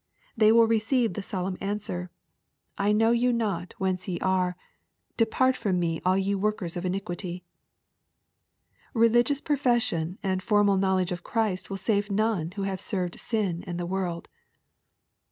They will receive the solemn answer, *' I knov 134 EXPOSITORY THOUGHTS. you not whence ye are ; depart from me all ye workers of iniquity/' Eeligious profession, and formal knowledge of Christ will save none who have served sin and the world.